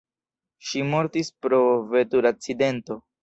Ŝi mortis pro vetur-akcidento.